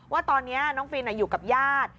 ว่าตอนนี้น้องฟินอยู่กับญาติ